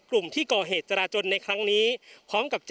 พร้อมด้วยผลตำรวจเอกนรัฐสวิตนันอธิบดีกรมราชทัน